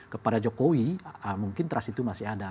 kepada jokowi mungkin trust itu masih ada